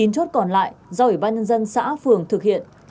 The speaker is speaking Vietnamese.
chín chốt còn lại do ủy ban nhân dân xã phường thực hiện